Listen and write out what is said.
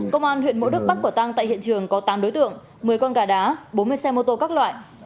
công an huyện mỗ đức bắt bỏ tang tại hiện trường có tám đối tượng một mươi con gà đá bốn mươi xe mô tô các loại